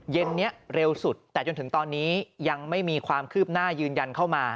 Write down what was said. เย็นนี้เร็วสุดแต่จนถึงตอนนี้ยังไม่มีความคืบหน้ายืนยันเข้ามา